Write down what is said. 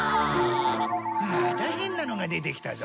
また変なのが出てきたぞ。